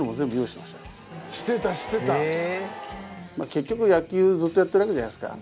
結局野球ずっとやってるわけじゃないですか。